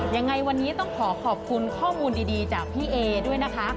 ยังไงวันนี้ต้องขอขอบคุณข้อมูลดีจากพี่เอด้วยนะคะ